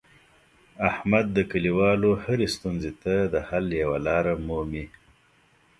احمد د کلیوالو هرې ستونزې ته د حل یوه لاره مومي.